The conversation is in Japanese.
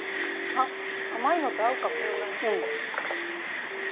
あっ甘いのと合うかも。